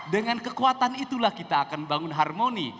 dengan kekuatan itulah kita akan bangun harmoni